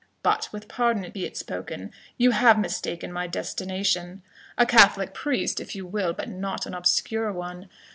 But, with pardon be it spoken, you have mistaken my destination a Catholic priest, if you will, but not an obscure one.